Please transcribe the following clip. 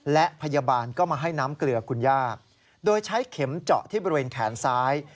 และพยาบาลก็มาให้น้ำเกลือคุณย่าโดยใช้เข็มเจาะที่บริเวณแขนซ้าย